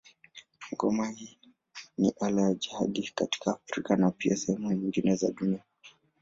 Ngoma ni ala ya jadi katika Afrika na pia sehemu nyingine za dunia.